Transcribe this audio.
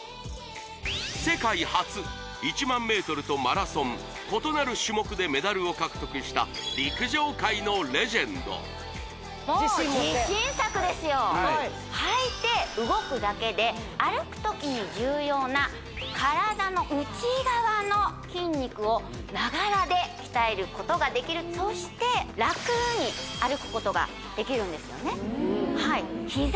世界初１００００ｍとマラソン異なる種目でメダルを獲得した陸上界のレジェンドはいて動くだけで歩くときに重要な体の内側の筋肉をながらで鍛えることができるそしてラクに歩くことができるんですよね